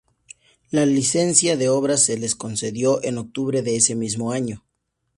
La licencia de obras se les concedió en octubre de ese mismo año.